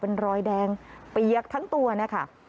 เป็นรอยแดงเปียกทั้งตัวนะคะ